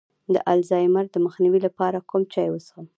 د الزایمر د مخنیوي لپاره کوم چای وڅښم؟